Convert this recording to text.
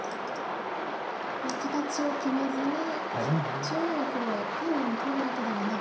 この形を決めずに中央の黒を丁寧に取るわけではなく。